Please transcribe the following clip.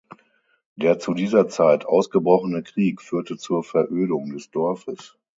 Der zu dieser Zeit ausgebrochene Krieg führte zur Verödung des Dorfes.